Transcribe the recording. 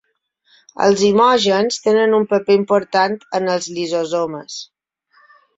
Els zimògens tenen un paper important en els lisosomes.